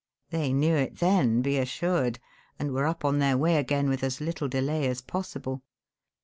They knew it then, be assured, and were up and on their way again with as little delay as possible.